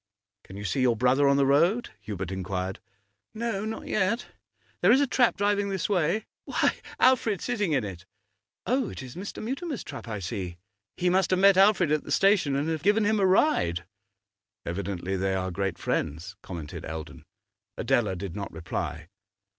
'Can you see your brother on the road?' Hubert inquired. 'No, not yet. There is a trap driving this way. Why, Alfred sitting in it! Oh, it is Mr. Mutimer's trap I see. He must have met Alfred at the station and have given him a ride.' 'Evidently they are great friends,' commented Eldon. Adela did not reply.